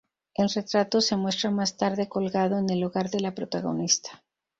El retrato se muestra más tarde colgado en el hogar de la protagonista.